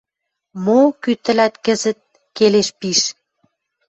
Мо, кӱ тӹлӓт кӹзӹт келеш пиш.